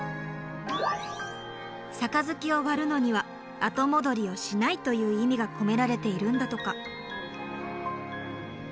杯を割るのには「後戻りをしない」という意味が込められているんだとか。